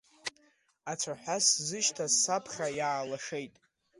Ацәаҳәа сзышьҭаз саԥхьа иаалашеит.